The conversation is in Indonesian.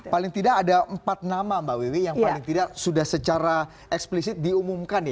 paling tidak ada empat nama mbak wiwi yang paling tidak sudah secara eksplisit diumumkan ya